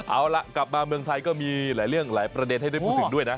เอาล่ะกลับมาเมืองไทยก็มีหลายเรื่องหลายประเด็นให้ได้พูดถึงด้วยนะ